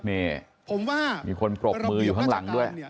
นี่มีคนกรบมืออยู่ข้างหลังด้วย